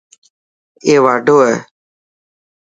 اي واڍو هي.